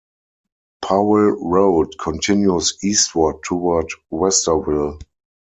Powell Road continues eastward toward Westerville.